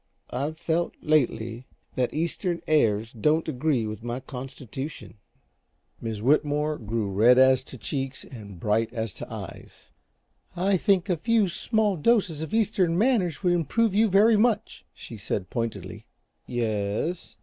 I've felt, lately, that Eastern airs don't agree with my constitution." Miss Whitmore grew red as to cheeks and bright as to eyes. "I think a few small doses of Eastern manners would improve you very much," she said, pointedly. "Y e s?